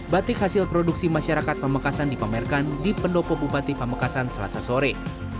batik hasil produksi masyarakat pamekasan dipamerkan di pendopo bupati pamekasan selasa sore